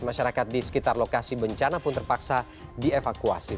masyarakat di sekitar lokasi bencana pun terpaksa dievakuasi